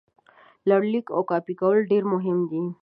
لړلیک او کاپي کول ډېر مهم دي.